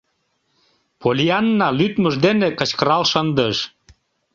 Поллианна лӱдмыж дене кычкырал шындыш: